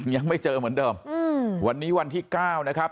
ยังไม่เจอเหมือนเดิมวันนี้วันที่๙นะครับ